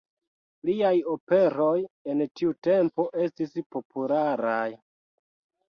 Liaj operoj en tiu tempo estis popularaj.